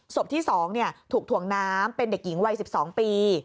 ศพที่๒ถูกถ่วงน้ำเป็นเด็กหญิงวัย๑๒ปี